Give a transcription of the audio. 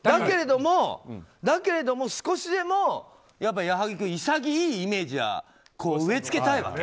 だけれども、少しでも矢作君、潔いイメージは植えつけたいわけ。